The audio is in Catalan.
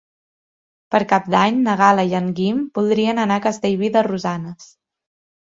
Per Cap d'Any na Gal·la i en Guim voldrien anar a Castellví de Rosanes.